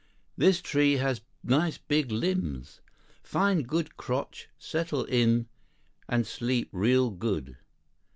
This tree has nice big limbs. Find good crotch, settle in it, and sleep real good.